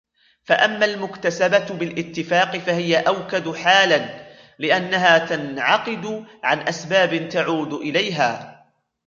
فَأَمَّا الْمُكْتَسَبَةُ بِالِاتِّفَاقِ فَهِيَ أَوْكَدُ حَالًا ؛ لِأَنَّهَا تَنْعَقِدُ عَنْ أَسْبَابٍ تَعُودُ إلَيْهَا